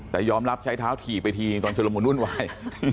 แต่ย้อมรับใช้เท้าขี่ไปก่อนจะละมุนนุ่นไว้